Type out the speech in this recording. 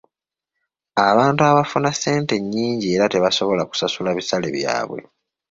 Abantu abafuna ssente ennyingi era tebasobola kusasula bisale byabwe.